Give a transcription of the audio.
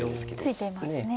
付いていますね。